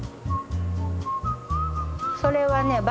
それはね